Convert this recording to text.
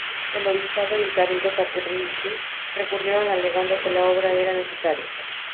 El Obispado y el Cabildo Catedralicio recurrieron alegando que la obra era necesaria.